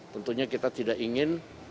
tentunya kita tidak ingin